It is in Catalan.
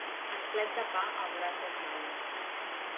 Esplet de pa el gra desmaia.